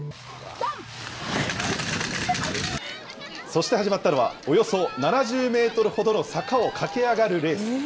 そして始まったのは、およそ７０メートルほどの坂を駆け上がるレース。